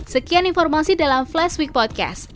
sekian informasi dalam flash week podcast